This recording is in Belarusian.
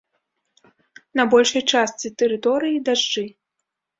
На большай частцы тэрыторыі дажджы.